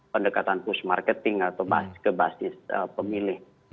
pendekatan push marketing atau ke basis pemilih